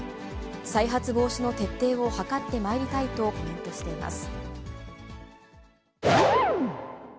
再発防止の徹底を図ってまいりたいとコメントしています。